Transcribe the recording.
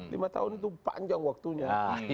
lima tahun itu panjang waktunya